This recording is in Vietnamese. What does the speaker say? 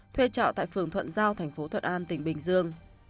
thuê trọ tại phường thuận giao tp thuận an tỉnh bình dương